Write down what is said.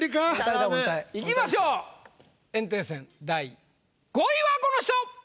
いきましょう炎帝戦第５位はこの人！